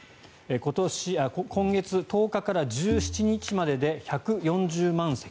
今月１０日から１７日までで１４０万席。